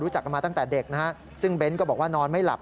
รู้จักกันมาตั้งแต่เด็กนะฮะซึ่งเบ้นก็บอกว่านอนไม่หลับ